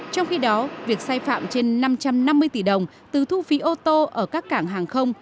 trong khi đó việc sai phạm trên năm trăm năm mươi tỷ đồng từ thu phí ô tô ở các cảng hàng không